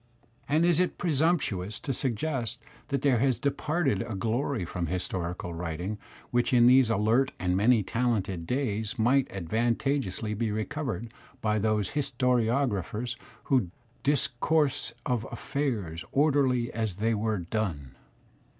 And is it presumptuous to suggest that there has departed a glory from historical writing which in these alert and many talented days might advantageously be recovered by those historiographers who "discourse of affairs orderly as they were done?'